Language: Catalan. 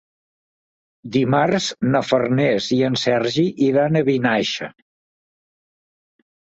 Dimarts na Farners i en Sergi iran a Vinaixa.